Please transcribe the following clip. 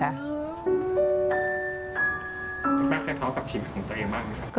คุณแม่เคยท้อกับชีวิตของตัวเองบ้างไหมครับ